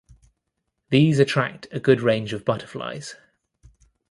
These attract a good range of butterflies.